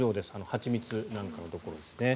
蜂蜜なんかのところですね。